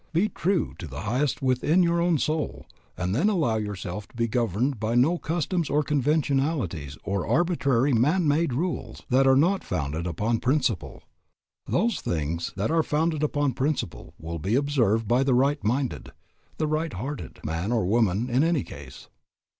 Be true to the highest within your own soul, and then allow yourself to be governed by no customs or conventionalities or arbitrary man made rules that are not founded upon principle. Those things that are founded upon principle will be observed by the right minded, the right hearted man or woman, in any case.